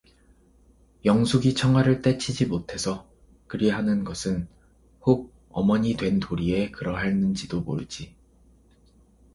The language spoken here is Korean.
영숙이 청아를 떼치지 못해서 그리하는 것은 혹 어머니 된 도리에 그러할는지도 모르지.